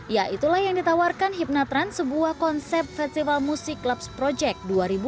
ya itulah yang ditawarkan hype net ramps sebuah konsep festival musik labs project dua ribu sembilan belas